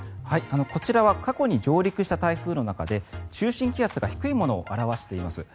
こちらは過去に上陸した台風の中で中心気圧が低いものを表しています。